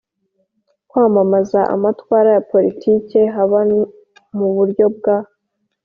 kwamamaza amatwara ya politiki haba mu buryo bwa